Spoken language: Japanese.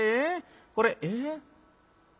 これええ？」。